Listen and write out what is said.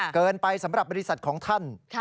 เกินไปสำหรับบริษัทของท่าน